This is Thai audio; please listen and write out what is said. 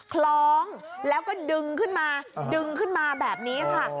คล้องแล้วก็ดึงขึ้นมาดึงขึ้นมาแบบนี้ค่ะ